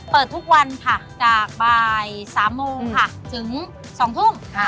เปิดทุกวันค่ะจากบ่าย๓โมงค่ะถึง๒ทุ่ม